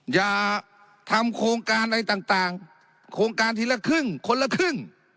อย่าทำโครงการอะไรต่างโครงการทีละครึ่งคนละครึ่ง